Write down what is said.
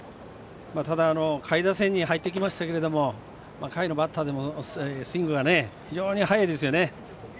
下位打線に入ってきましたが下位のバッターでもスイングが非常に速いですよね。